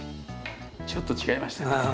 ちょっと違いましたね。